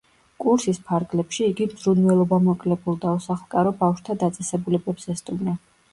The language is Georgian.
კურსის ფარგლებში, იგი მზრუნველობამოკლებულ და უსახლკარო ბავშვთა დაწესებულებებს ესტუმრა.